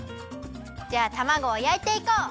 じゃあたまごをやいていこう！